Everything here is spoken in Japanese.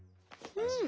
うん。